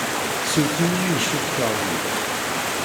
Ssuref-iyi imi i cukkteɣ deg-k.